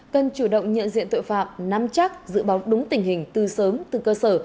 cần chủ động nhận diện tội phạm nắm chắc dự báo đúng tình hình từ sớm từ cơ sở